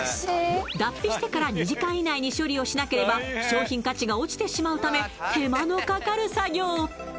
脱皮してから２時間以内に処理しなければ商品価値が落ちてしまうため手間のかかる作業。